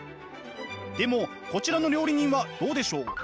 でもこちらの料理人はどうでしょう？